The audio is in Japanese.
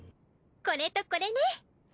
これとこれね。